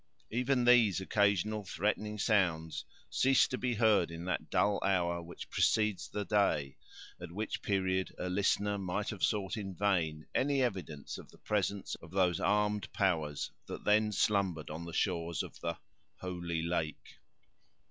Even these occasional threatening sounds ceased to be heard in that dull hour which precedes the day, at which period a listener might have sought in vain any evidence of the presence of those armed powers that then slumbered on the shores of the "holy lake."